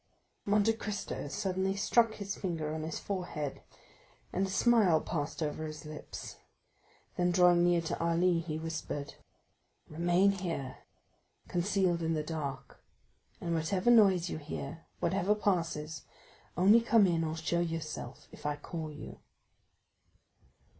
Monte Cristo suddenly struck his finger on his forehead and a smile passed over his lips; then drawing near to Ali, he whispered: "Remain here, concealed in the dark, and whatever noise you hear, whatever passes, only come in or show yourself if I call you."